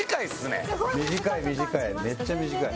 短い短い。